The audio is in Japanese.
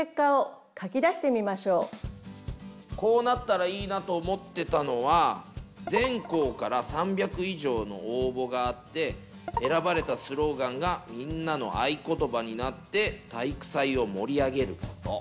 こうなったらいいなと思ってたのは全校から３００以上の応募があって選ばれたスローガンがみんなの合言葉になって体育祭を盛り上げること。